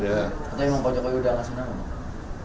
tapi pak jokowi udah ngasih nama